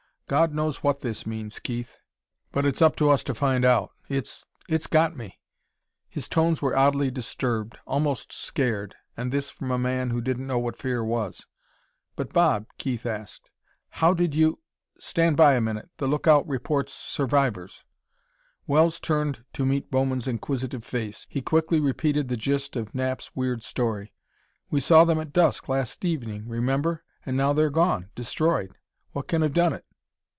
God knows what this means, Keith, but it's up to us to find out. It's it's got me...." His tones were oddly disturbed almost scared and this from a man who didn't know what fear was. "But Bob," Keith asked, "how did you " "Stand by a minute! The lookout reports survivors!" Wells turned to meet Bowman's inquisitive face. He quickly repeated the gist of Knapp's weird story. "We saw them at dusk, last evening remember? And now they're gone, destroyed. What can have done it?"